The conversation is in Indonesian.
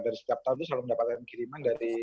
dari setiap tahun itu selalu mendapatkan kiriman dari